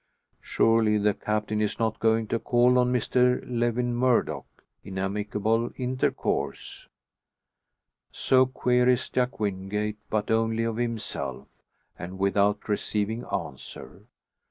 Surely the Captain is not going to call on Mr Lewin Murdock in amicable intercourse? So queries Jack Wingate, but only of himself, and without receiving answer.